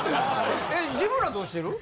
自分らどうしてる？